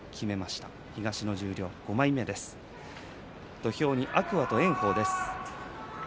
土俵上は、天空海と炎鵬です。